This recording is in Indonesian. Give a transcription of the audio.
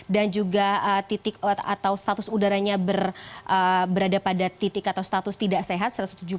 dan juga titik atau status udaranya berada pada titik atau status tidak sehat satu ratus tujuh puluh satu